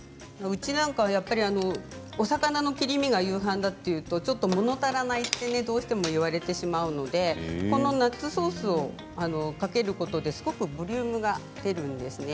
うちなんかはお魚の切り身が夕飯だと言うとちょっともの足らないとどうしても言われてしまうのでこのナッツソースをかけることですごくボリュームが出るんですね。